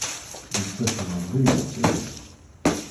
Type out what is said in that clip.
Nettat meẓẓiyet? Ih.